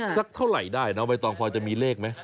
สักเท่าไหร่ได้น้องใบตองพอจะมีเลขไหม